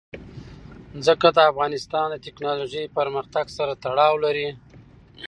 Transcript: ځمکه د افغانستان د تکنالوژۍ پرمختګ سره تړاو لري.